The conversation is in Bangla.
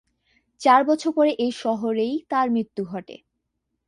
চার বছর পরে এই শহরেই তার মৃত্যু ঘটে।